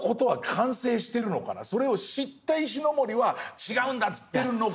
それを知った石森は違うんだって言ってるのか。